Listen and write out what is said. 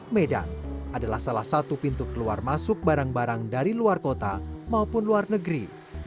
medan adalah salah satu pintu keluar masuk barang barang dari luar kota maupun luar negeri